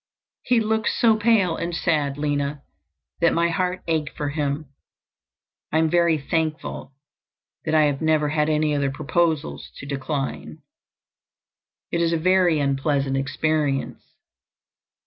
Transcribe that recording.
"He looked so pale and sad, Lina, that my heart ached for him. I am very thankful that I have never had any other proposals to decline. It is a very unpleasant experience.